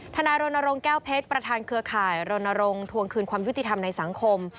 นายรณรงค์แก้วเพชรประธานเครือข่ายรณรงค์ทวงคืนความยุติธรรมในสังคม